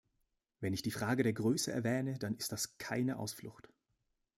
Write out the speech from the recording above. Wenn ich die Frage der Größe erwähne, dann ist das keine Ausflucht.